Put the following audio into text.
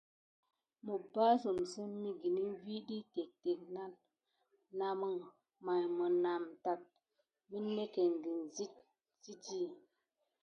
Məpbassitsəm migilmə vi ɗyi téctéc naməŋ, may mənatə nannéckéne sit zitti.